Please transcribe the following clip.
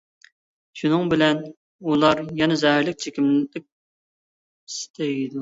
شۇنىڭ بىلەن ئۇلار يەنە زەھەرلىك چېكىملىك ئىستەيدۇ.